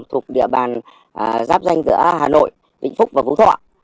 thuộc địa bàn giáp danh giữa hà nội vĩnh phúc và phú thọ